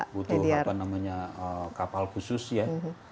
butuh apa namanya kapal khusus ya